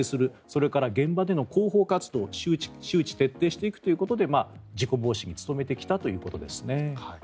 それから現場での広報活動周知徹底していくということで事故防止に努めてきたということですね。